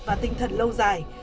và tinh thần lâu dài